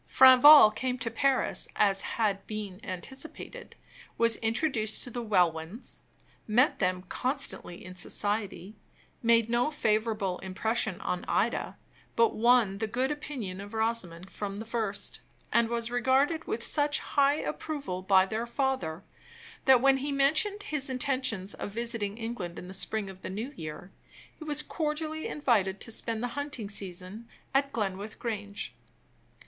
Franval came to Paris, as had been anticipated was introduced to the Welwyns met them constantly in society made no favorable impression on Ida, but won the good opinion of Rosamond from the first; and was regarded with such high approval by their father, that when he mentioned his intentions of visiting England in the spring of the new year, he was cordially invited to spend the hunting season at Glenwith Grange.